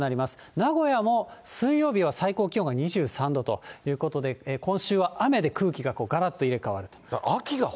名古屋も水曜日は最高気温が２３度ということで、今週は雨で空気ががらっと入れ代わると。